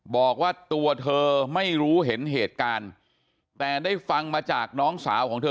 บอกว่าตัวเธอไม่รู้เห็นเหตุการณ์แต่ได้ฟังมาจากน้องสาวของเธอ